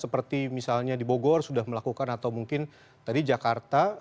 seperti misalnya di bogor sudah melakukan atau mungkin tadi jakarta